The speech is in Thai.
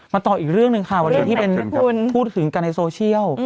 ต่ออีกเรื่องหนึ่งค่ะวันนี้ที่เป็นพูดถึงกันในโซเชียล